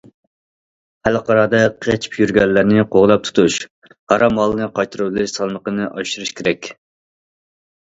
خەلقئارادا قېچىپ يۈرگەنلەرنى قوغلاپ تۇتۇش، ھارام مالنى قايتۇرۇۋېلىش سالمىقىنى ئاشۇرۇش كېرەك.